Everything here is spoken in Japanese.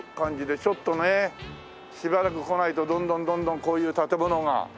ちょっとねしばらく来ないとどんどんどんどんこういう建物が。